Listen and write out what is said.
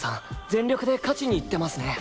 全力で勝ちに行ってますね。